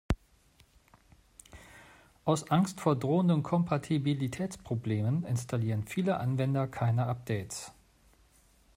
Aus Angst vor drohenden Kompatibilitätsproblemen installieren viele Anwender keine Updates.